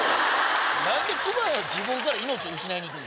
何で熊が自分から命失いに行くの？